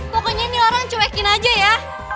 pokoknya ini orang cuekin aja ya